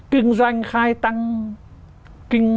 kinh doanh khai tăng